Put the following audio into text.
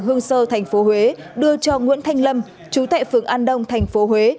lê bảo nguyên chú tại phường hương sơ tp huế đưa cho nguyễn thanh lâm chú tại phường an đông tp huế